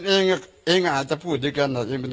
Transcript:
ช่วยน่ะใช่เอาใช่ช่วยคือคือตอนเนี้ยอ๋อมันเป็น